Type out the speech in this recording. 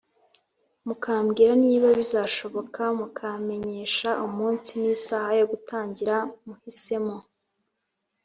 mukambwira niba bizashoboka, mukamenyesha umunsi n'isaha yo gutangira muhisemo.